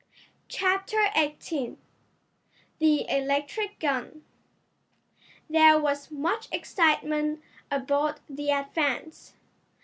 Chapter Eighteen The Electric Gun There was much excitement aboard the Advance.